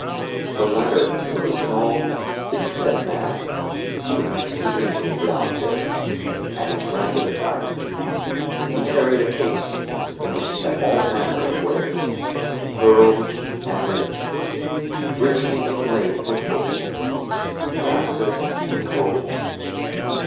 The latter was a small, thick set man, with an ex ceedingly brown face, and in ragged attire. He carried a case, in which he had all manner of wares : pearls and rings, richly inlaid pistols, glasses and combs.